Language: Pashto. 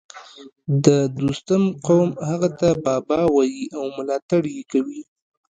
د دوستم قوم هغه ته بابا وايي او ملاتړ یې کوي